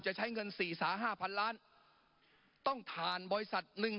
จะใช้เงิน๔สา๕พันล้านต้องทานบริษัทหนึ่ง